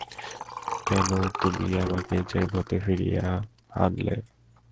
কেন তুমি আমাকে জেল হতে ফিরিয়ে আনলে।